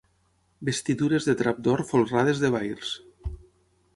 Vestidures de drap d'or folrades de vairs.